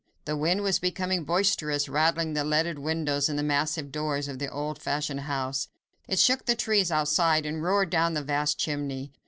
The wind was becoming boisterous, rattling the leaded windows and the massive doors of the old fashioned house: it shook the trees outside and roared down the vast chimney.